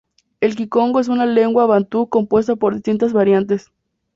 El kikongo es una lengua bantú compuesta por distintas variantes.